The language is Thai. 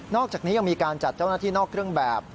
อกจากนี้ยังมีการจัดเจ้าหน้าที่นอกเครื่องแบบ